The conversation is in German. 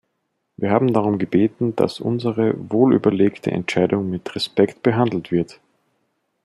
Wir haben darum gebeten, dass unsere wohl überlegte Entscheidung mit Respekt behandelt wird.